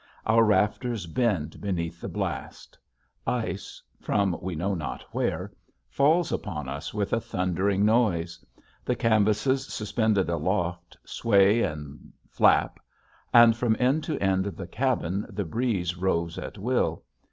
Our rafters bend beneath the blast; ice from we know not where falls upon us with a thundering noise. The canvases suspended aloft sway and flap, and from end to end of the cabin the breeze roves at will.